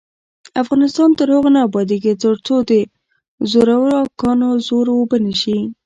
افغانستان تر هغو نه ابادیږي، ترڅو د زورواکانو زور اوبه نشي.